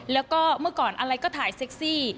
แล้วก็เมื่อก่อนอะไรก็ถ่ายเซ็กซี่